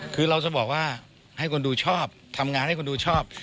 คือเราจะบอกว่าให้คนดูชอบทำงานให้คนดูชอบ